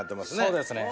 そうですね。